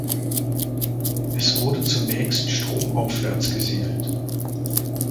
Es wurde zunächst stromaufwärts gesegelt.